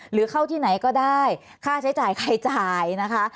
หรือเข้าที่ไหนก็ได้ค่าใช้จ่ายใครจ่ายนะคะ